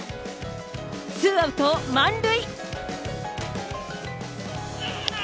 ツーアウト満塁。